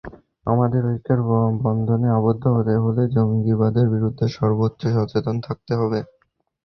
আমাদের ঐক্যের বন্ধনে আবদ্ধ হতে হলে জঙ্গিবাদের বিরুদ্ধে সর্বোচ্চ সচেতন থাকতে হবে।